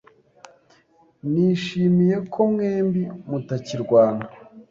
Nishimiye ko mwembi mutakirwana.